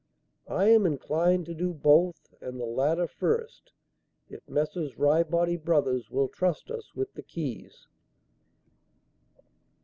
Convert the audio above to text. I am inclined to do both, and the latter first, if Messrs. Ryebody Brothers will trust us with the keys."